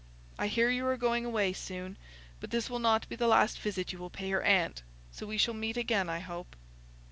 I hear you are going away soon; but this will not be the last visit you will pay your aunt—so we shall meet again, I hope."